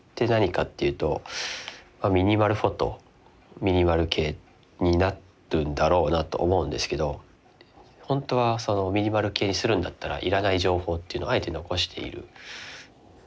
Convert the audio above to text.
ミニマル系になるんだろうなと思うんですけど本当はミニマル系にするんだったら要らない情報っていうのをあえて残している。